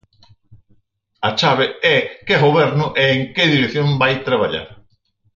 A chave é que Goberno e en que dirección vai traballar.